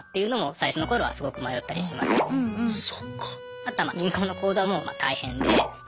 あとは銀行の口座も大変で。